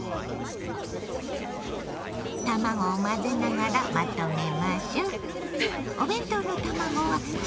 卵を混ぜながらまとめましょ。